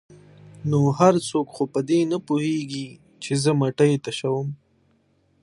ـ نو هر څوک خو په دې نه پوهېږي چې زه مټۍ تشوم.